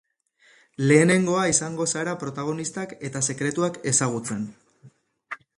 Lehenengoa izango zara protagonistak eta sekretuak ezagutzen.